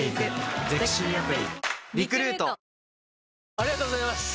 ありがとうございます！